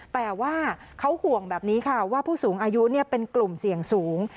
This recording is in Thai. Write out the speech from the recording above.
แต่ว่าเขาห่วงแบบนี้ค่ะว่าผู้สูงอายุเป็นกลุ่มเสี่ยงสูง